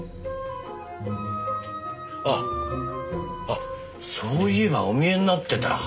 あそういえばお見えになってた。